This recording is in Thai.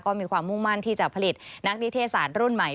ก็มีความมุ่งมั่นที่จะผลิตนักนิเทศศาสตร์รุ่นใหม่